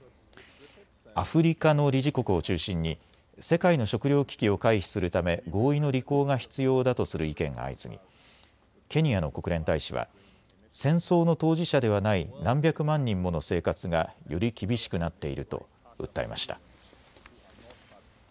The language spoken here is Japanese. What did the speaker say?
アフリカの理事国を中心に世界の食料危機を回避するため合意の履行が必要だとする意見が相次ぎケニアの国連大使は戦争の当事者ではない何百万人もの生活がより厳しくなっていると訴えました。